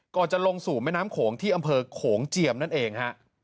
จะลงสู่แม่น้ำโขงที่อำเภอโขงเจียมนั่นเองฮะ